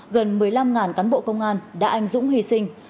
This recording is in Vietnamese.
gần một mươi năm cán bộ công an đã anh dũng hy sinh